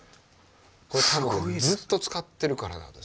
これ多分ずっと使ってるからなんです。